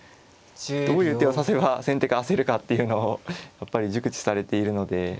どういう手を指せば先手が焦るかっていうのをやっぱり熟知されているので。